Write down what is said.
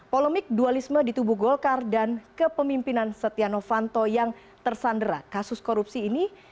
polemik dualisme di tubuh golkar dan kepemimpinan setia novanto yang tersandera kasus korupsi ini